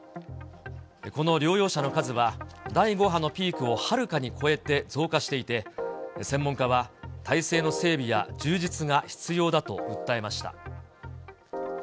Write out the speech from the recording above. この療養者の数は、第５波のピークをはるかに超えて増加していて、専門家は体制の整備や、充実が必要だと訴えました。